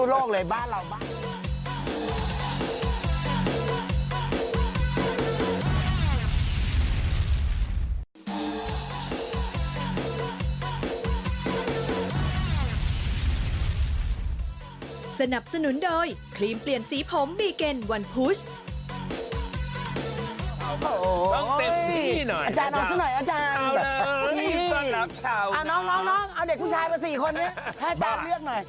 น้องเอาเด็กผู้ชายมา๔คนนี้ให้อาจารย์เลือกหน่อย